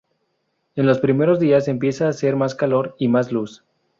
En los primeros días empieza a hacer más calor y más luz.